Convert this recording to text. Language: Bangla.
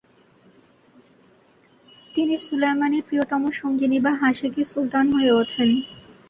তিনি সুলায়মানের প্রিয়তম সঙ্গিনী বা হাসেকি সুলতান হয়ে ওঠেন।